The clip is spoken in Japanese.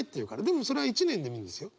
でもそれは１年でもいいんですよ。